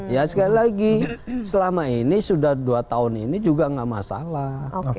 ya sekali lagi selama ini sudah dua tahun ini juga nggak masalah